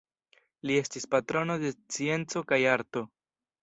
Li estis patrono de scienco kaj arto.